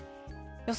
予想